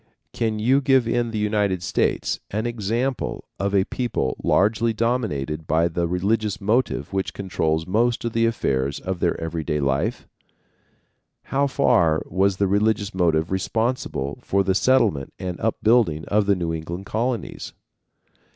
Can you give in the United States an example of a people largely dominated by the religious motive which controls most of the affairs of their every day life? How far was the religious motive responsible for the settlement and upbuilding of the New England Colonies?